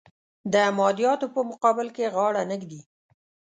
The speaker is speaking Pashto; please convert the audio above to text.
د مادیاتو په مقابل کې غاړه نه ږدي.